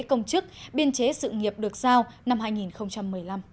công chức biên chế sự nghiệp được giao năm hai nghìn một mươi năm